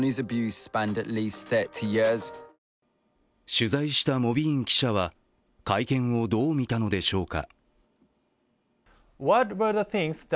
取材したモビーン記者は会見をどう見たのでしょうか。